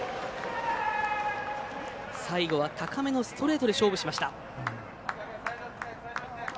最後は高めのストレートで勝負しました。